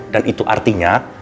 dan itu artinya